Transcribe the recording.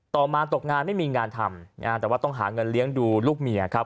มาตกงานไม่มีงานทำแต่ว่าต้องหาเงินเลี้ยงดูลูกเมียครับ